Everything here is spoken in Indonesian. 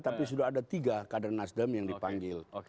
tapi sudah ada tiga kader nasdem yang dipanggil